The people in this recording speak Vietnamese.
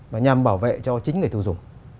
và nhằm bảo vệ cho chính người tiêu dùng